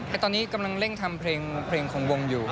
แต่ตอนนี้กำลังเร่งทำเพลงของวงอยู่